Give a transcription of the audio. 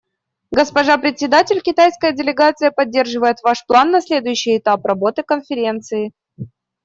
Госпожа Председатель, китайская делегация поддерживает ваш план на следующий этап работы Конференции.